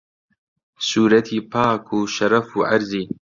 سوورەتی پاک و شەرەف و عەرزی